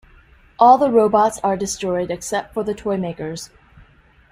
All the robots are destroyed except for the Toymaker's.